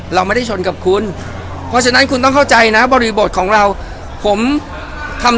เราไม่ได้ชนกับคุณเพราะฉะนั้นคุณต้องเข้าใจนะบริบทของเราผมทำ